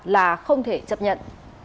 là không thể chấp nhận